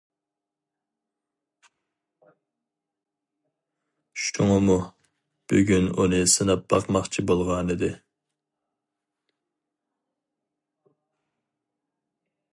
شۇڭىمۇ بۈگۈن ئۇنى سىناپ باقماقچى بولغانىدى.